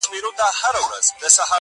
توري پښې توري مشوکي بد مخونه!